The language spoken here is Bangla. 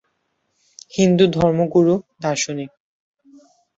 হিন্দু ধর্ম গুরু, দার্শনিক।